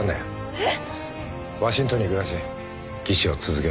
えっ？